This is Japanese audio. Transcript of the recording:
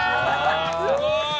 すごい！